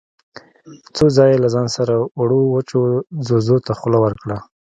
څو ځايه يې له ځان سره وړو وچو ځوځو ته خوله ورکړه.